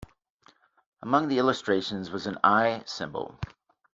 Among the illustrations was an eye symbol.